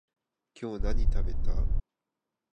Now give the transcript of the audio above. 今日何食べた？